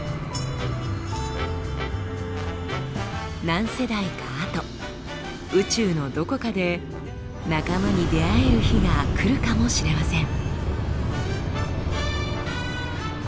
何世代かあと宇宙のどこかで仲間に出会える日が来るかもしれません。